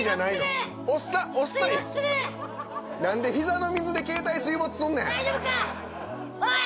何で膝の水で携帯水没すんねん⁉おい！